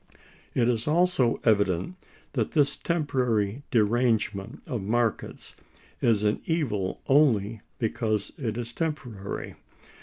It is also evident that this temporary derangement of markets is an evil only because it is temporary.